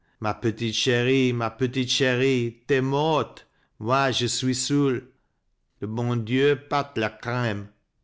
Ma petite cherie, ma petite cherie ! T'es morte, moi je suis soul. L'bon Dieu bat la creme.